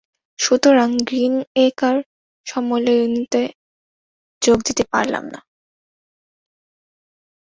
সুতরাং গ্রীনএকার সম্মিলনীতে যোগ দিতে পারলাম না।